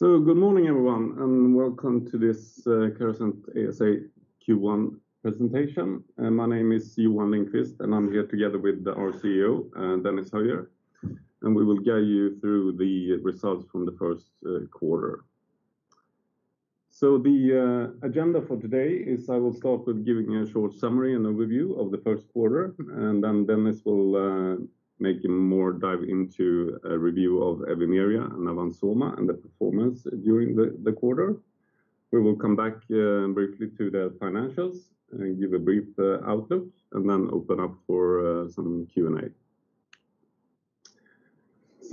Good morning, everyone, welcome to this Carasent ASA Q1 presentation. My name is Johan Lindqvist, and I'm here together with our CEO, Dennis Höjer. We will guide you through the results from the first quarter. The agenda for today is I will start with giving a short summary and overview of the first quarter, and then Dennis will make a deeper dive into a review of Evimeria and Avans Soma and the performance during the quarter. We will come back briefly to the financials and give a brief outlook and then open up for some Q&A.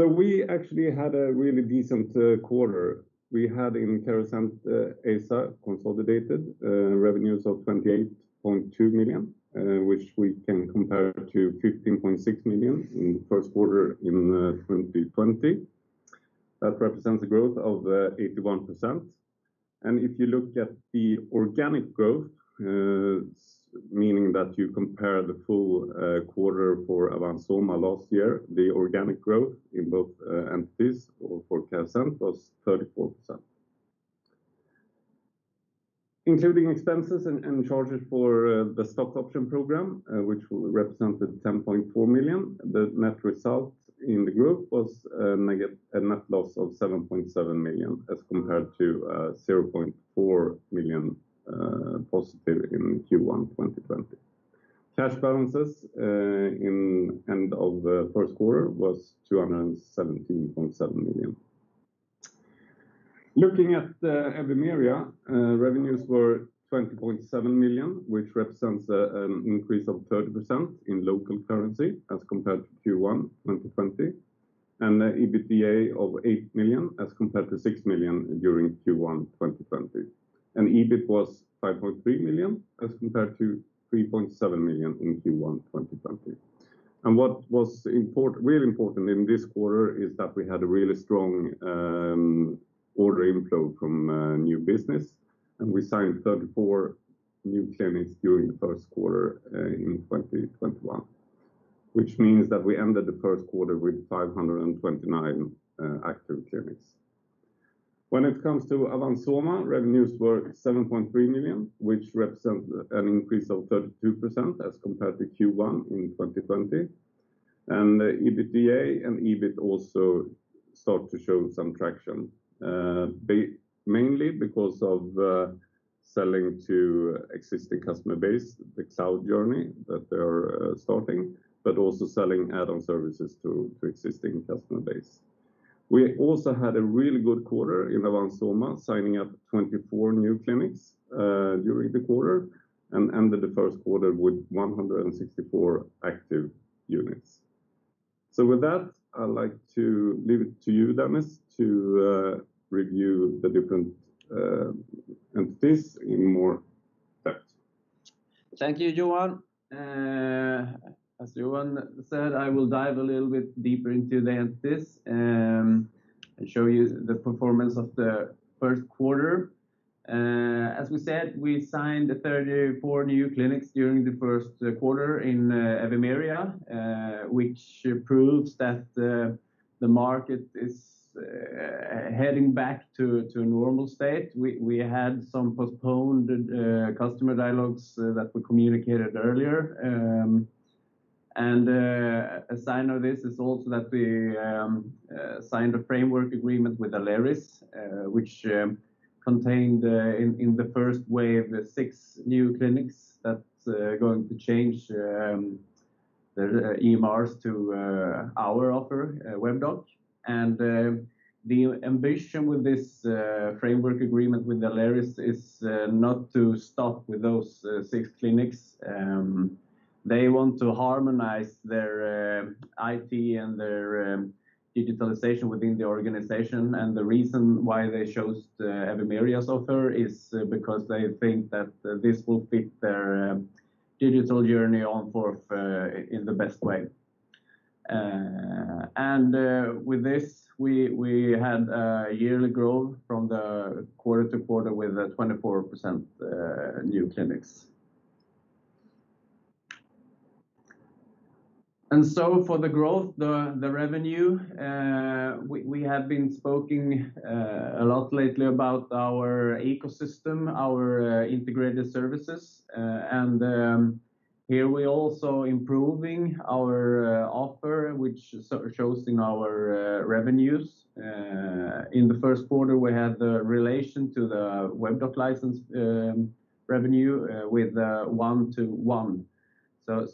We actually had a really decent quarter. We had in Carasent ASA consolidated revenues of 28.2 million, which we can compare to 15.6 million in first quarter in 2020. That represents a growth of 81%. If you look at the organic growth, meaning that you compare the full quarter for Avans Soma last year, the organic growth in both entities for Carasent was 34%. Including expenses and charges for the stock option program, which represented 10.4 million, the net result in the group was a net loss of 7.7 million as compared to 0.4 million positive in Q1 2020. Cash balances in end of the first quarter was 217.7 million. Looking at Evimeria, revenues were 20.7 million, which represents an increase of 30% in local currency as compared to Q1 2020, and EBITDA of 8 million as compared to 6 million during Q1 2020. EBIT was 5.3 million as compared to 3.7 million in Q1 2020. What was really important in this quarter is that we had a really strong order inflow from new business, and we signed 34 new clinics during the first quarter in 2021, which means that we ended the first quarter with 529 active clinics. When it comes to Avans Soma, revenues were 7.3 million, which represent an increase of 32% as compared to Q1 in 2020. EBITDA and EBIT also start to show some traction, mainly because of selling to existing customer base, the cloud journey that they are starting, but also selling add-on services to existing customer base. We also had a really good quarter in Avans Soma, signing up 24 new clinics during the quarter and ended the first quarter with 164 active units. With that, I'd like to leave it to you, Dennis, to review the different entities in more effect. Thank you, Johan. As Johan said, I will dive a little bit deeper into the entities, and show you the performance of the first quarter. As we said, we signed 34 new clinics during the first quarter in Evimeria, which proves that the market is heading back to a normal state. We had some postponed customer dialogues that we communicated earlier. A sign of this is also that we signed a framework agreement with Aleris, which contained in the first wave, the six new clinics that is going to change their EMRs to our offer, Webdoc. The ambition with this framework agreement with Aleris is not to stop with those six clinics. They want to harmonize their IT and their digitalization within the organization. The reason why they chose Evimeria's offer is because they think that this will fit their digital journey on forth in the best way. With this, we had a yearly growth from the quarter-to-quarter with 24% new clinics. For the growth, the revenue, we have been speaking a lot lately about our ecosystem, our integrated services. Here we also improving our offer, which shows in our revenues. In the first quarter, we had the relation to the Webdoc license revenue with 1:1.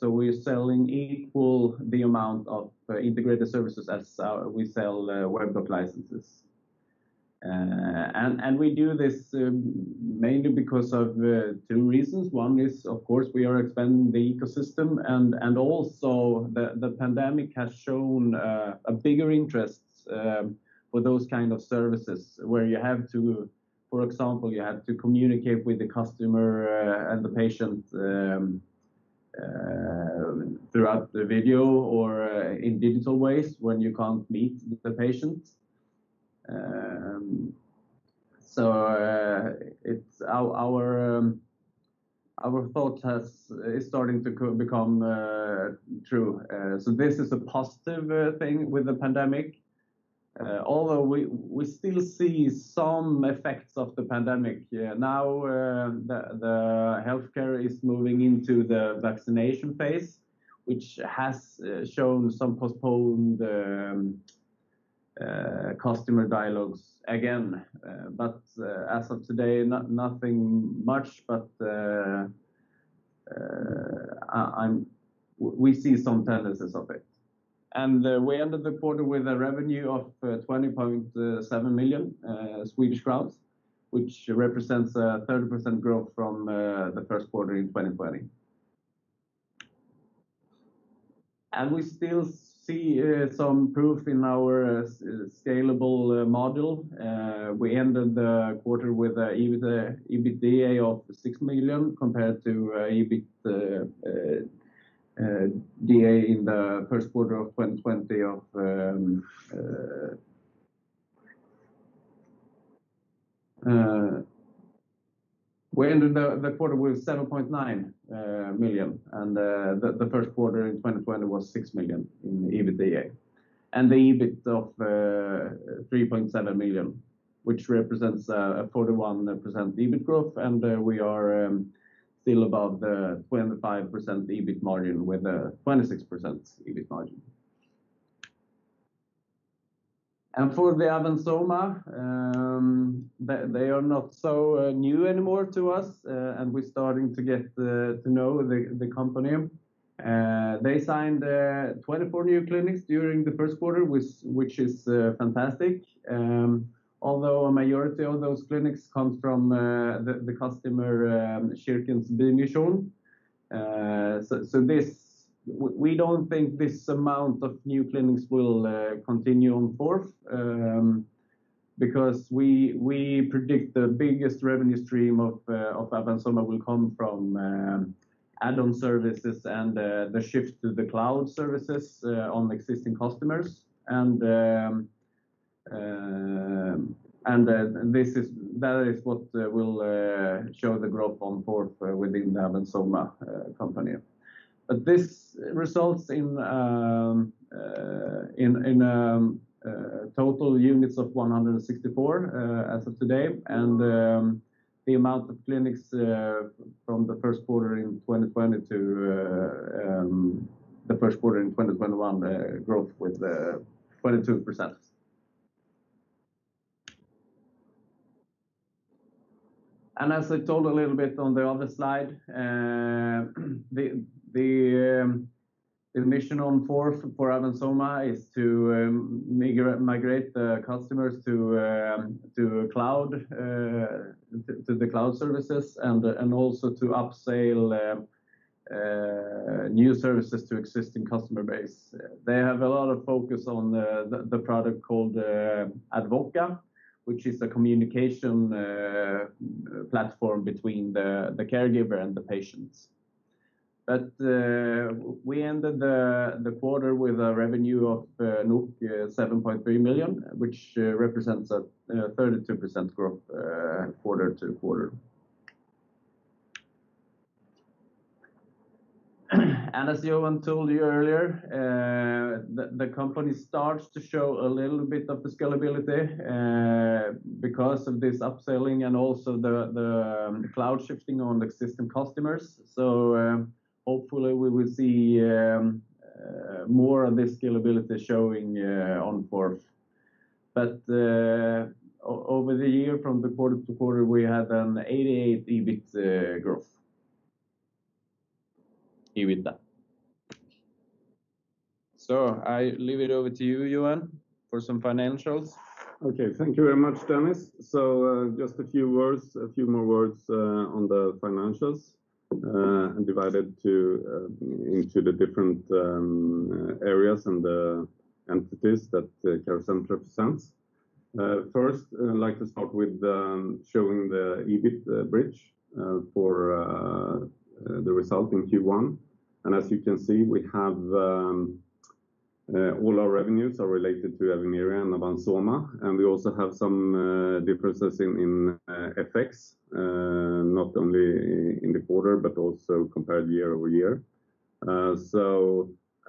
We're selling equal the amount of integrated services as we sell Webdoc licenses. We do this mainly because of two reasons. One is, of course, we are expanding the ecosystem, and also the pandemic has shown a bigger interest for those kind of services where you have to, for example, you have to communicate with the customer and the patient throughout the video or in digital ways when you can't meet the patient. Our thought is starting to become true. This is a positive thing with the pandemic. We still see some effects of the pandemic. The healthcare is moving into the vaccination phase, which has shown some postponed customer dialogues again. As of today, nothing much, but we see some tendencies of it. We ended the quarter with a revenue of NOK 20.7 million, which represents a 30% growth from the first quarter in 2020. We still see some proof in our scalable module. We ended the quarter with an EBITDA of 7.9 million, compared to EBITDA in the first quarter of 2020 of NOK 6 million. The EBIT of 3.7 million, which represents a 41% EBIT growth, and we are still above the 25% EBIT margin with a 26% EBIT margin. For the Avans Soma, they are not so new anymore to us, and we're starting to get to know the company. They signed 24 new clinics during the first quarter, which is fantastic. Although a majority of those clinics comes from the customer Kirkens Bymisjon. We don't think this amount of new clinics will continue on fourth, because we predict the biggest revenue stream of Avans Soma will come from add-on services and the shift to the cloud services on existing customers. That is what will show the growth on fourth within the Avans Soma company. This results in total units of 164 as of today, and the amount of clinics from the first quarter in 2020 to the first quarter in 2021 growth with 22%. As I told a little bit on the other slide, the mission on fourth for Avans Soma is to migrate the customers to the cloud services, and also to up-sale new services to existing customer base. They have a lot of focus on the product called Advoca, which is a communication platform between the caregiver and the patients. We ended the quarter with a revenue of 7.3 million, which represents a 32% growth quarter-to-quarter. As Johan told you earlier, the company starts to show a little bit of the scalability because of this upselling and also the cloud shifting on existing customers. Hopefully we will see more of the scalability showing on fourth. Over the year from the quarter-to-quarter, we had an 88 EBIT growth. EBITDA. I leave it over to you, Johan, for some financials. Okay. Thank you very much, Dennis. Just a few more words on the financials, divided into the different areas and the entities that Carasent represents. First, I'd like to start with showing the EBIT bridge for the result in Q1. As you can see, all our revenues are related to Evimeria and Avans Soma, and we also have some differences in effects, not only in the quarter, but also compared year-over-year.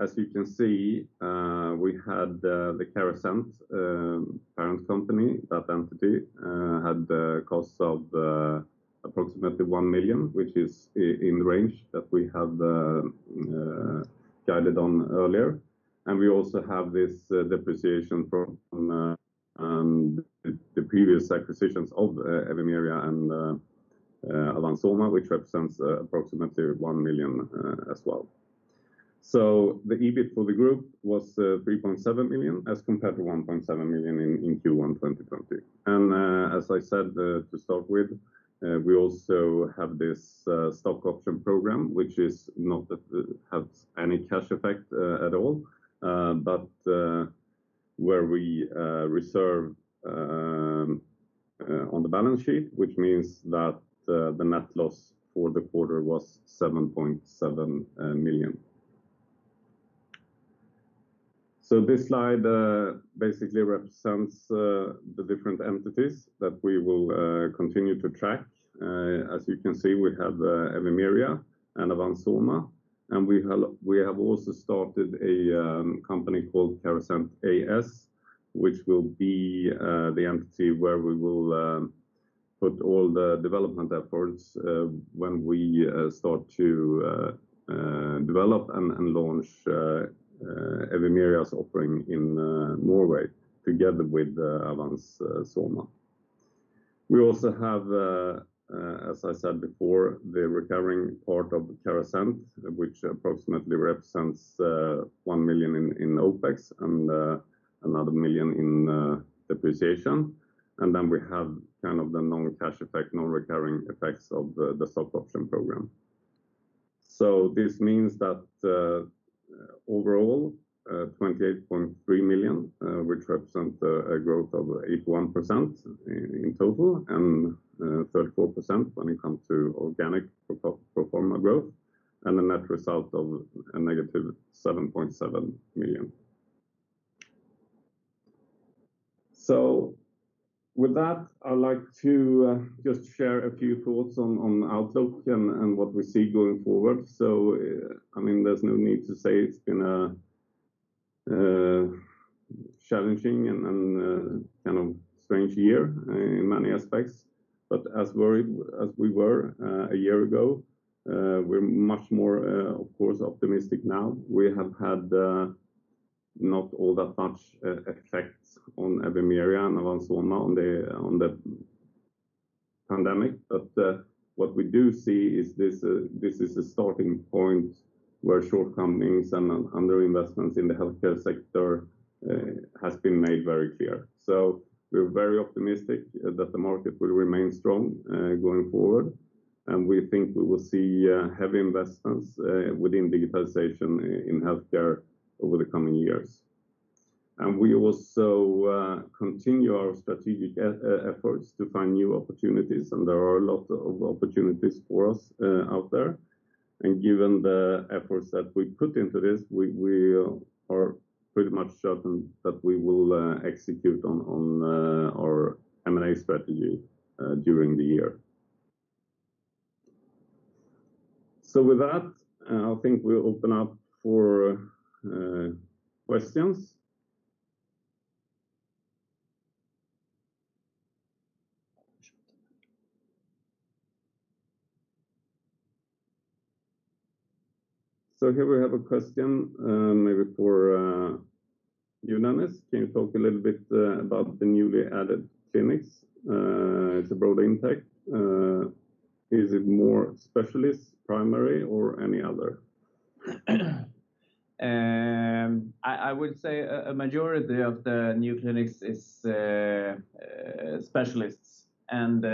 As you can see, we had the Carasent parent company. That entity had the cost of approximately 1 million, which is in range that we have guided on earlier. We also have this depreciation from the previous acquisitions of Evimeria and Avans Soma, which represents approximately 1 million as well. The EBIT for the group was 3.7 million as compared to 1.7 million in Q1 2020. As I said to start with, we also have this stock option program, which does not have any cash effect at all, but where we reserve on the balance sheet, which means that the net loss for the quarter was 7.7 million. This slide basically represents the different entities that we will continue to track. As you can see, we have Evimeria and Avans Soma, and we have also started a company called Carasent AS, which will be the entity where we will put all the development efforts when we start to develop and launch Evimeria's offering in Norway together with Avans Soma. We also have, as I said before, the recurring part of Carasent, which approximately represents 1 million in OpEx and another 1 million in depreciation. Then we have the non-cash effect, non-recurring effects of the stock option program. This means that overall, 28.3 million, which represent a growth of 81% in total and 34% when it comes to organic pro forma growth, and a net result of a -7.7 million. With that, I'd like to just share a few thoughts on outlook and what we see going forward. There's no need to say it's been a challenging and strange year in many aspects, but as we were a year ago, we're much more, of course, optimistic now. We have had not all that much effects on Evimeria and Avans Soma on the pandemic. What we do see is this is a starting point where shortcomings and under investments in the healthcare sector has been made very clear. We're very optimistic that the market will remain strong going forward, and we think we will see heavy investments within digitalization in healthcare over the coming years. We will also continue our strategic efforts to find new opportunities, and there are a lot of opportunities for us out there. Given the efforts that we put into this, we are pretty much certain that we will execute on our M&A strategy during the year. With that, I think we'll open up for questions. Here we have a question maybe for you, Dennis. Can you talk a little bit about the newly added clinics as a broad impact? Is it more specialist, primary, or any other? I would say a majority of the new clinics is specialists, and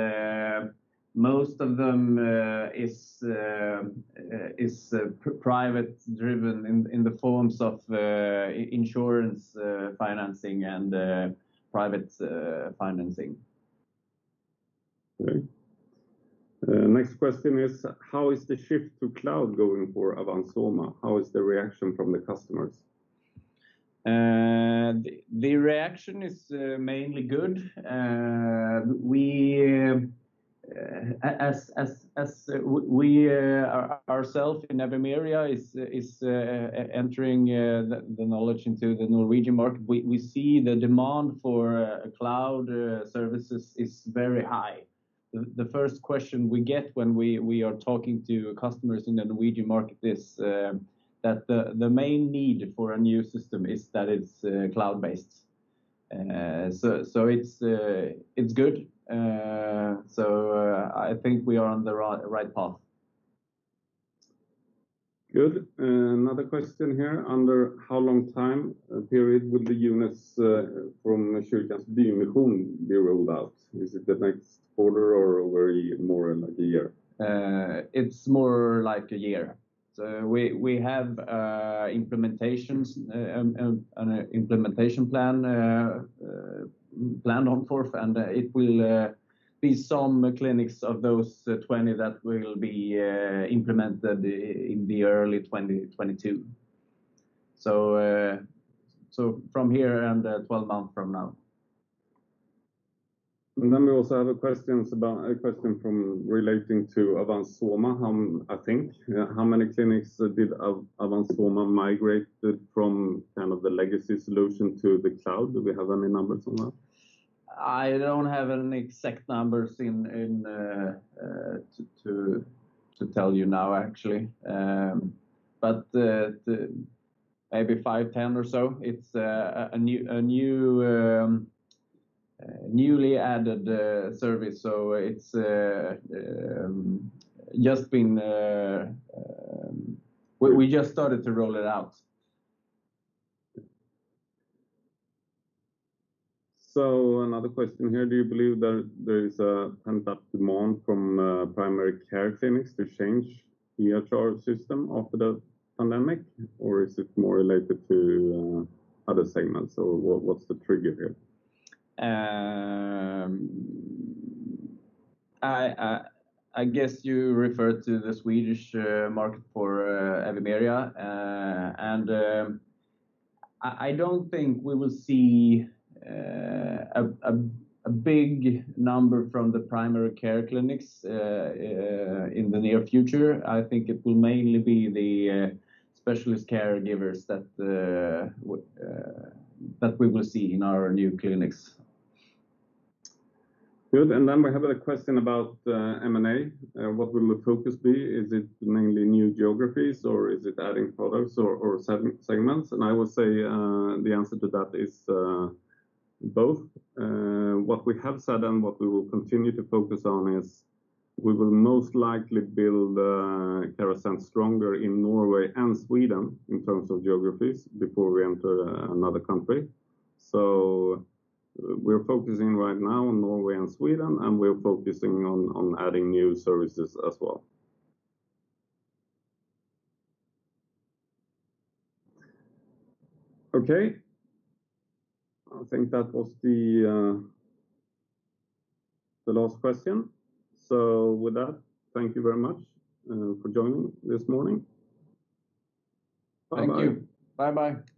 most of them is private driven in the forms of insurance financing and private financing. Okay. Next question is, how is the shift to cloud going for Avans Soma? How is the reaction from the customers? The reaction is mainly good. As we ourself in Evimeria is entering the knowledge into the Norwegian market, we see the demand for cloud services is very high. The first question we get when we are talking to customers in the Norwegian market is that the main need for a new system is that it's cloud-based. It's good. I think we are on the right path. Good. Another question here. Under how long time period will the units from the Kirkens Bymisjon be rolled out? Is it the next quarter or more in like a year? It's more like a year. We have an implementation plan going forth, and it will be some clinics of those 20 that will be implemented in the early 2022. From here and 12 months from now. We also have a question relating to Avans Soma, I think. How many clinics did Avans Soma migrate from the legacy solution to the cloud? Do we have any numbers on that? I don't have any exact numbers to tell you now, actually. Maybe five, 10 or so. It's a newly added service, we just started to roll it out. Another question here. Do you believe that there is a pent-up demand from primary care clinics to change EHR system after the pandemic, or is it more related to other segments, or what's the trigger here? I guess you refer to the Swedish market for Evimeria. I don't think we will see a big number from the primary care clinics in the near future. I think it will mainly be the specialist caregivers that we will see in our new clinics. Good. We have a question about M&A. What will the focus be? Is it mainly new geographies, or is it adding products or segments? I will say the answer to that is both. What we have said and what we will continue to focus on is we will most likely build Carasent stronger in Norway and Sweden in terms of geographies before we enter another country. We're focusing right now on Norway and Sweden, and we're focusing on adding new services as well. Okay, I think that was the last question. With that, thank you very much for joining this morning. Bye-bye. Thank you. Bye-bye.